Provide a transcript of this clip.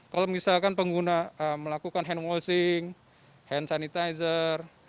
kalau misalkan pengguna melakukan hand washing hand sanitizer